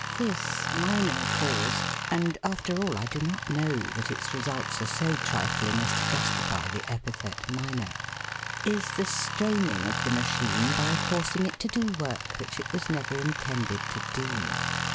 This minor cause and after all I do not know that its results are so trifling as to justify the epithet 'minor' is the straining of the machine by forcing it to do work which it was never intended to do.